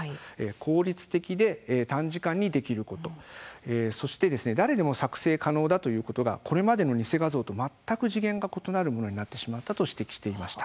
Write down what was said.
効率的で短時間にできることそして誰でも作成可能だということが、これまでの偽画像と全く次元が異なるものになってしまったと指摘していました。